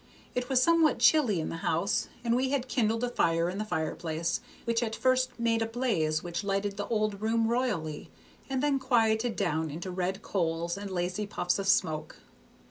It was somewhat chilly in the house, and we had kindled a fire in the fireplace, which at first made a blaze which lighted the old room royally, and then quieted down into red coals and lazy puffs of smoke.